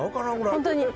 本当に。